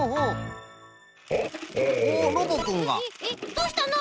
どうしたの？